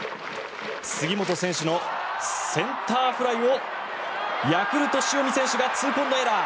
杉本選手のセンターフライをヤクルト、塩見選手が痛恨のエラー。